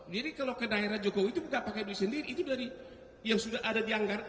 jadi kalau ke daerah jokowi itu bukan pakai duit sendiri itu dari yang sudah ada di anggaran